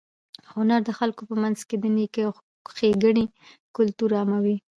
هنر د خلکو په منځ کې د نېکۍ او ښېګڼې کلتور عاموي.